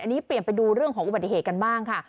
อันนี้เปลี่ยนไปดูเรื่องของอุบัติเหตุกันบ้างค่ะ